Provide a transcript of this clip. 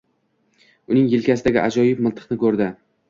Uning yelkasidagi ajoyib miltiqni ko’rdi.